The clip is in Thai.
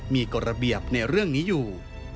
มีกฎระเบียบในเรื่องนี้อยู่